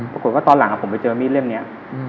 ปรากฏว่าตอนหลังผมไปเจอมีดเล่มเนี้ย